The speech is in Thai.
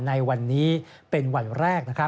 ในวันนี้เป็นวันแรก